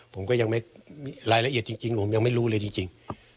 ผมก็ยังไม่รายละเอียดจริงผมยังไม่รู้เลยจริง